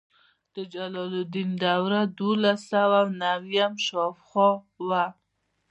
د جلال الدین دوره د دولس سوه نوي شاوخوا وه.